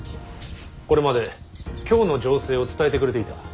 これまで京の情勢を伝えてくれていた。